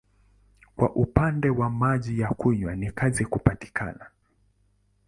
Kwa upande wa maji ya kunywa ni kazi kupatikana.